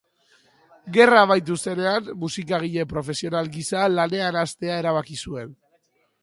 Gerra amaitu zenean, musikagile profesional gisa lanean hastea erabaki zuen.